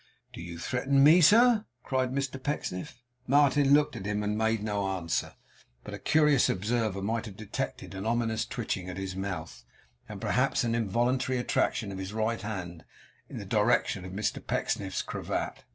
'Do you threaten me, sir?' cried Mr Pecksniff. Martin looked at him, and made no answer; but a curious observer might have detected an ominous twitching at his mouth, and perhaps an involuntary attraction of his right hand in the direction of Mr Pecksniff's cravat.